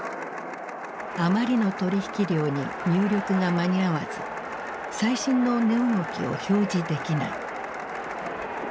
あまりの取引量に入力が間に合わず最新の値動きを表示できない。